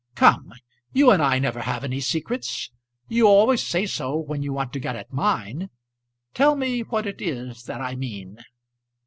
Come; you and I never have any secrets; you always say so when you want to get at mine. Tell me what it is that I mean."